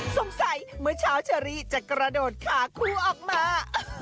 สงสัยเมื่อเช้าชะลีจะกระโดดขาคู่ออกมา